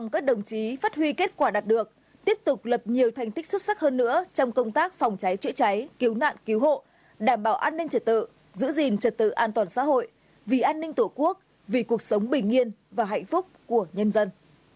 chắc hơn nữa trong công tác phòng cháy chữa cháy cứu nạn cứu hộ đảm bảo an ninh trật tự giữ gìn trật tự an toàn xã hội vì an ninh tổ quốc vì cuộc sống bình yên và hạnh phúc của nhân dân